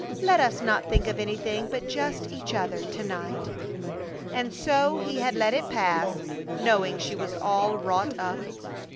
Let us not think of anything but just each other to night!" And so he had let it pass, knowing she was all wrought up.